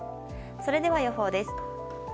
それでは予報です。